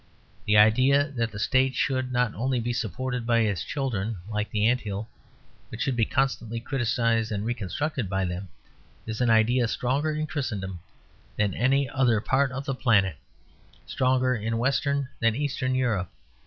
The idea that the State should not only be supported by its children, like the ant hill, but should be constantly criticised and reconstructed by them, is an idea stronger in Christendom than any other part of the planet; stronger in Western than Eastern Europe.